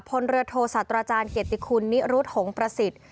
พลเรือโทศาสตราจารย์เกียรติคุณนิรุธหงประสิทธิ์